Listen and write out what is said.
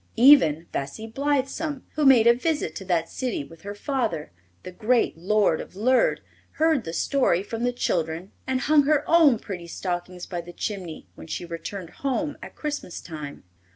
Even Bessie Blithesome, who made a visit to that city with her father, the great Lord of Lerd, heard the story from the children and hung her own pretty stockings by the chimney when she returned home at Christmas time.